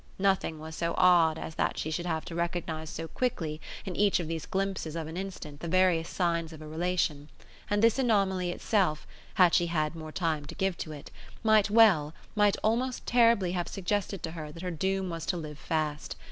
Nothing was so odd as that she should have to recognise so quickly in each of these glimpses of an instant the various signs of a relation; and this anomaly itself, had she had more time to give to it, might well, might almost terribly have suggested to her that her doom was to live fast.